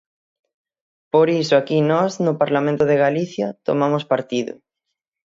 Por iso aquí nós, no Parlamento de Galicia, tomamos partido.